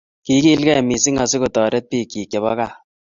kigiilgei missing asigotoret biikchi chebo gaa